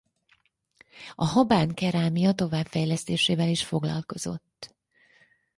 A habán kerámia továbbfejlesztésével is foglalkozott.